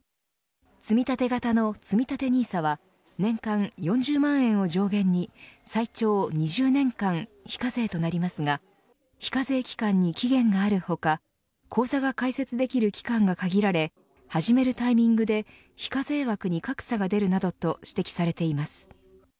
積み立て型のつみたてＮＩＳＡは年間４０万円を上限に最長２０年間非課税となりますが非課税期間に期限がある他口座が開設できる期間が限られ始めるタイミングで非課税枠に格差が出るなどと指摘されています。